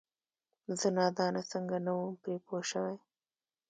زه نادانه څنګه نه وم پرې پوه شوې؟!